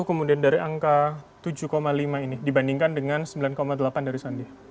kemudian dari angka tujuh lima ini dibandingkan dengan sembilan delapan dari sandi